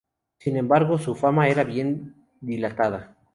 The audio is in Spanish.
Sin embargo, su fama era bien dilatada.